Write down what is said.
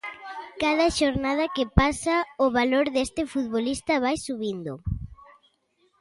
Cada xornada que pasa, o valor deste futbolista vai subindo.